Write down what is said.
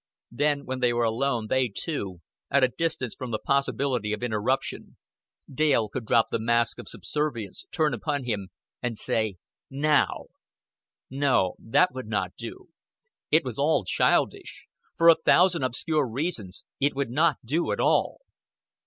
Then when they were alone, they two, at a distance from the possibility of interruption, Dale could drop the mask of subservience, turn upon him, and say "Now " No, that would not do. It was all childish. For a thousand obscure reasons it would not do at all.